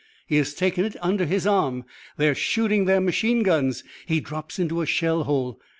He has taken it under his arm! They are shooting their machine guns. He drops into a shell hole.